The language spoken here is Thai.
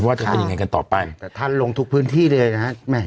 ว่าจะเป็นยังไงกันต่อไปแต่ท่านลงทุกพื้นที่เลยนะฮะ